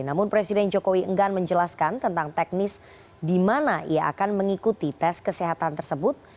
namun presiden jokowi enggan menjelaskan tentang teknis di mana ia akan mengikuti tes kesehatan tersebut